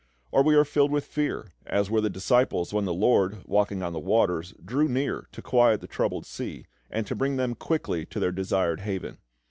Or we are filled with fear, as were the disciples when the LORD, walking on the waters, drew near to quiet the troubled sea, and to bring them quickly to their desired haven.